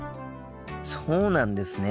そうなんですね。